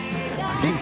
元気。